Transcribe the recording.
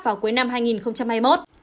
vào cuối năm hai nghìn hai mươi một